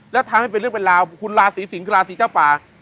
แล้วทำให้เป็นเรื่องเป็นราวคุณราศีสิงศ์คือราศีเจ้าป่า